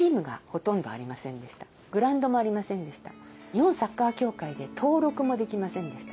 日本サッカー協会で登録もできませんでした。